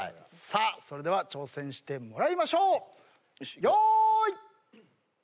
それでは挑戦してもらいましょうよーい。